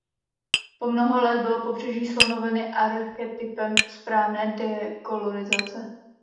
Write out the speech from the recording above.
Po mnoho let bylo Pobřeží slonoviny archetypem správné dekolonizace.